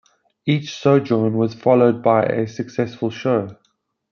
Each sojourn was followed by a successful show.